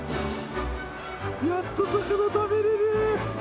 やっと魚食べれる。